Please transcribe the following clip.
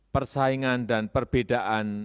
persaingan dan perbedaan